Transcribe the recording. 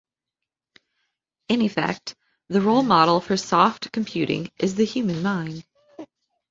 In effect, the role model for soft computing is the human mind.